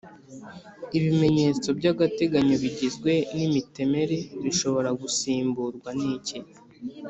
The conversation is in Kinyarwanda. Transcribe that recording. ibimenyetso by’agateganyo bigizwe n’imitemeri bishobora gusimburwa niki